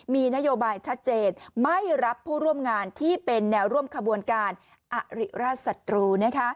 มีนโยบายชัดเจนไม่รับผู้ร่วมงานที่เป็นแนวร่วมขบวนการอริราชศัตรู